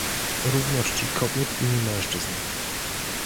Równości Kobiet i Mężczyzn